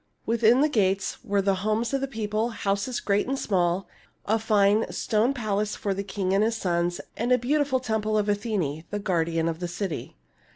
Within the gates were the homes of the people, houses great and small, a fine stone palace for the king and his sons, and a beautiful temple of Athene, the guardian of the city.